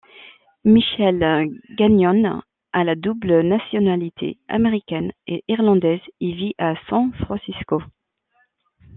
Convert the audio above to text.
Michelle Gagnon a la double nationalité, américaine et irlandaise, et vit à San Francisco.